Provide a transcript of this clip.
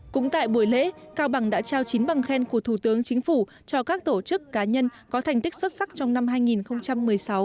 cũng tại buổi lễ cao bằng đã trao chín bằng khen của thủ tướng chính phủ cho các tổ chức cá nhân có thành tích xuất sắc trong năm hai nghìn một mươi sáu